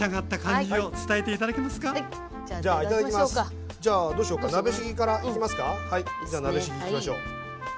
じゃあ鍋しぎいきましょう。